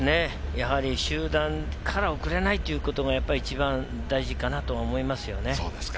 やはり集団から遅れないということが一番大事かなと思いますよね。